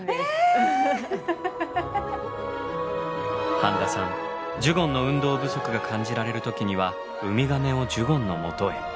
半田さんジュゴンの運動不足が感じられる時にはウミガメをジュゴンのもとへ。